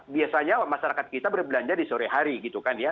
biasanya masyarakat kita berbelanja di sore hari gitu kan ya